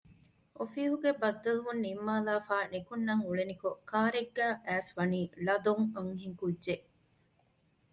އޮފީހުގެ ބައްދަލުވުން ނިންމާލާފައި ނިކުންނަން އުޅެނިކޮން ކާރެއްގައި އައިސް ވަނީ ޅަދޮން އަންހެންކުއްޖެއް